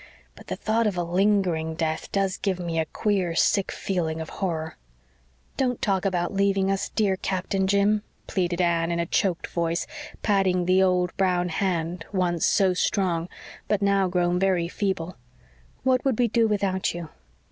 But the thought of a lingering death does give me a queer, sick feeling of horror." "Don't talk about leaving us, dear, DEAR Captain, Jim," pleaded Anne, in a choked voice, patting the old brown hand, once so strong, but now grown very feeble. "What would we do without you?"